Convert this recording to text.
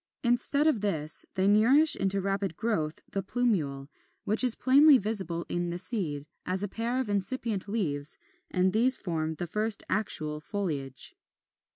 Instead of this, they nourish into rapid growth the plumule, which is plainly visible in the seed, as a pair of incipient leaves; and these form the first actual foliage.